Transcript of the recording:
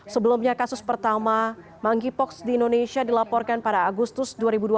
sebelumnya kasus pertama monkeypox di indonesia dilaporkan pada agustus dua ribu dua puluh